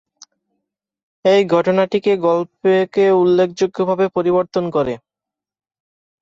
এই ঘটনাটি গল্পকে উল্লেখযোগ্যভাবে পরিবর্তন করে।